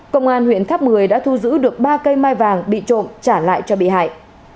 công an huyện tháp một mươi đã thu giữ được ba cây mai vàng bị trộm trả lại cho bị hại